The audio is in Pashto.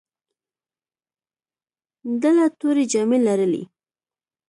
ډله تورې جامې لرلې.